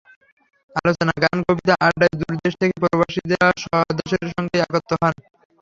আলোচনা, গান, কবিতা, আড্ডায় দূর দেশ থেকে প্রবাসীরা স্বদেশের সঙ্গে একাত্ম হন।